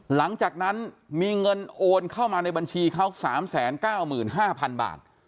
หลังจากนั้นมีเงินโอนเข้ามาในบัญชีเขา๓๙๕๐๐๐บาท